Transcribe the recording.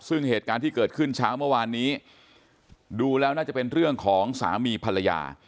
ซึ่งเหตุการณ์ที่เกิดขึ้นเช้าเมื่อวานนี้ดูแล้วน่าจะเป็นเรื่องของสามีภรรยา